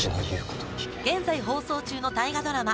現在放送中の大河ドラマ